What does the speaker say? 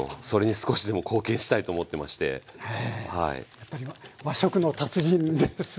やっぱり和食の達人ですね。